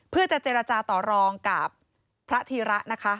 เพื่อจะเจรจาต่อรองกับพระธีระนะคะ